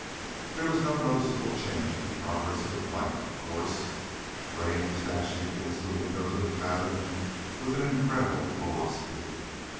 There was no noticeable change in the progress of the plane, of course. Rain was dashing against the windows of the cabin with an incredible velocity.